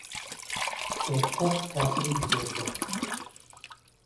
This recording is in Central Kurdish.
سێ سەت کافری جگەردار